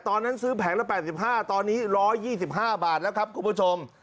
ตอนนั้นซื้อแผงละ๘๕ตอนนี้๑๒๕บาทแล้วครับคุณผู้ชม